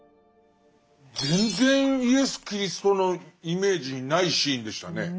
全然イエス・キリストのイメージにないシーンでしたね。